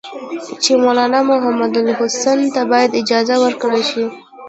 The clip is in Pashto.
چې مولنا محمودالحسن ته باید اجازه ورکړل شي.